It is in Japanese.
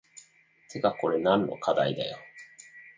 てかこれ何の課題だよ